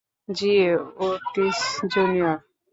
জ্বি, Otis junior.